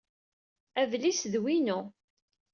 Adlis d winu.